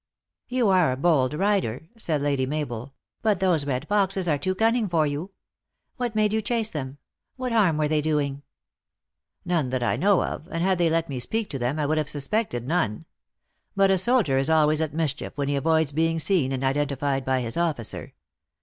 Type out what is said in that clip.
" You are a bold rider," said Lady Mabel, " but those red foxes are too cunning for you. What made you chase them ? What harm were they doing ?"" None that I know of and had they let me speak to them I would have suspected none. But a soldier is always at mischief when he avoids being seen and identified by his officer.